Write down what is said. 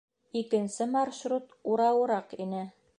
Икенсе маршрут урауыраҡ ине.